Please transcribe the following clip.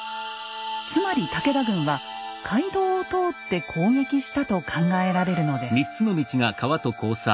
つまり武田軍は街道を通って攻撃したと考えられるのです。